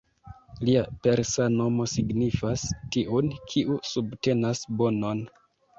Lia persa nomo signifas ""tiun, kiu subtenas bonon"".